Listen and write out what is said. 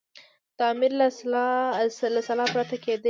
د امیر له سلا پرته کېدلې.